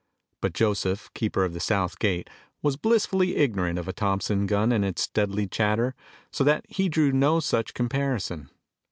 But Joseph, keeper of the south gate, was blissfully ignorant of a Thompson gun and its deadly chatter, so that he drew no such comparison.